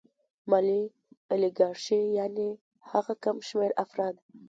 مالي الیګارشي یانې هغه کم شمېر افراد